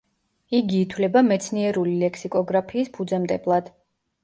იგი ითვლება მეცნიერული ლექსიკოგრაფიის ფუძემდებლად.